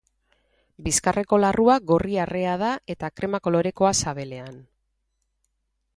Bizkarreko larrua gorri-arrea da eta krema kolorekoa sabelean.